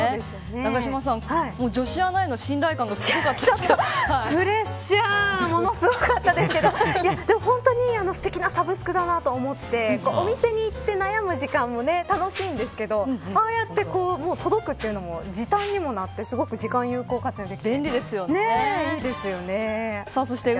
永島さん、女子アナへの信頼感がちょっとプレッシャーものすごかったですけどでも、本当にすてきなサブスクだなと思ってお店に行って悩む時間も楽しいんですけどああやって届くというのも時短にもなってすごく時間を有効活用できて便利ですよね。